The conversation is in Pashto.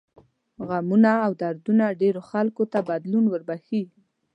غمونه او دردونه ډېرو خلکو ته بدلون وربښي.